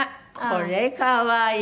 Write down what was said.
これ可愛い！